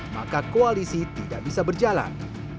maka koalisi tidak bisa berjalan